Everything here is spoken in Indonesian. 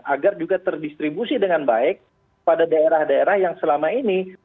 agar juga terdistribusi dengan baik pada daerah daerah yang selama ini